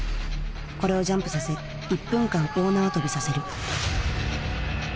これをジャンプさせ１分間大縄跳びさせる。